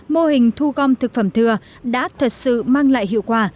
mô hình thu gom thực phẩm thừa đã thật sự mang lại hiệu quả